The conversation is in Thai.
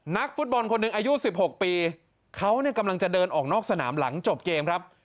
นักฟุตบอลคนหนึ่งอายุ๑๖ปีเขาเนี่ยกำลังจะเดินออกนอกสนามหลังจบเกมครับ